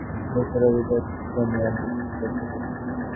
বৈদেশিক মুদ্রা অর্জনের ফলে দেশের অভিজাত শ্রেণী অনেক কিছু করতে পেরেছে।